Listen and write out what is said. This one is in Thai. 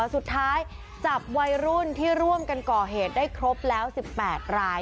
สุดท้ายจับวัยรุ่นที่ร่วมกันก่อเหตุได้ครบแล้ว๑๘ราย